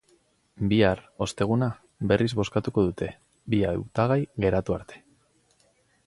Bihar, osteguna, berriz bozkatuko dute, bi hautagai geratu arte.